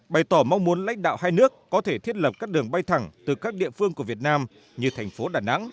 bày tỏ mong muốn lãnh đạo hai nước có thể thiết lập các đường bay thẳng từ các địa phương của việt nam như thành phố đà nẵng